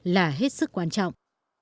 là hết sức quan trọng